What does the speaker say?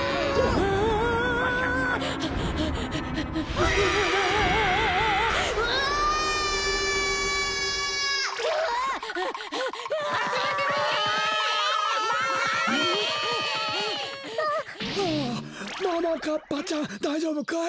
ももかっぱちゃんだいじょうぶかい？